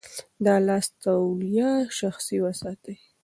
د لاس توليه شخصي وساتئ.